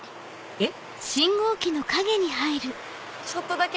えっ？